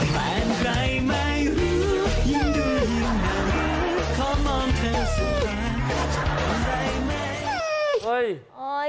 เกลียดลองหันซ้ายดิ